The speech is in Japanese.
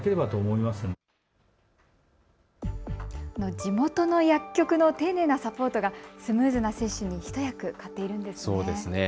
地元の薬局の丁寧なサポートがスムーズな接種に一役買っているんですね。